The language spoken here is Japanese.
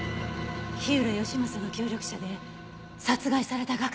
火浦義正の協力者で殺害された学生。